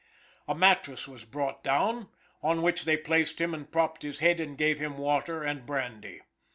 A mattrass was brought down, on which they placed him and propped his head, and gave him water and brandy.